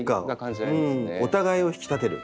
お互いを引き立てる。